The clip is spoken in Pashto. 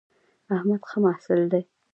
احمد ښه محصل دی